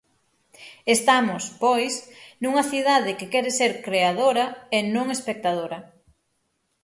Estamos, pois, nunha cidade que quere ser creadora e non espectadora.